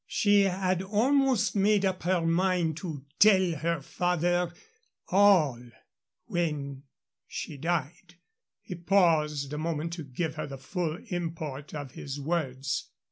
She had almost made up her mind to tell her father all when she died." He paused a moment to give her the full import of his words.